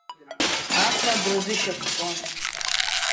Ахра дырзышьақәкуам…